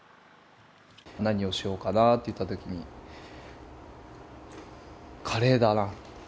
何をしようかなっていった時にカレーだなって。